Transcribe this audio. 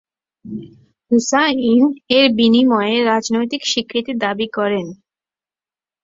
হুসাইন এর বিনিময়ে রাজনৈতিক স্বীকৃতি দাবি করেন।